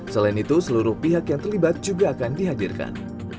selain itu seluruh pihak yang terlibat juga akan dihadirkan